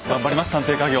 探偵稼業。